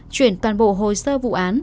chuyển toàn bộ hồi sơ vụ án